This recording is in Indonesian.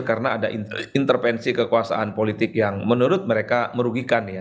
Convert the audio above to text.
karena ada intervensi kekuasaan politik yang menurut mereka merugikan ya